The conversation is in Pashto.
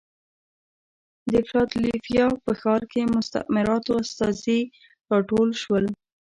د فلادلفیا په ښار کې مستعمراتو استازي راټول شول.